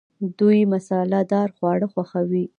دوی مساله دار خواړه خوښوي.